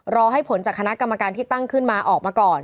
รอให้ผลจากคณะกรรมการที่ตั้งขึ้นมาออกมาก่อน